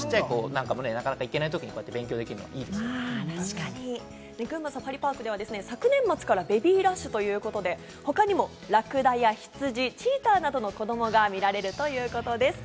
なかなか行けないときに勉強でき群馬サファリパークでは昨年末からベビーラッシュということで、他にもラクダや羊、チーターなどの子どもが見られるということです。